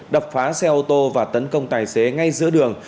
đập phá xe ô tô và tấn công tài xế ngay giữa đường